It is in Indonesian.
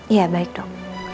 iya baik dok